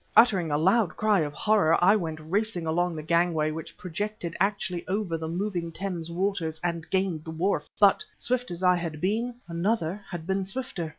Uttering a loud cry of horror, I went racing along the gangway which projected actually over the moving Thames waters, and gained the wharf. But, swift as I had been, another had been swifter!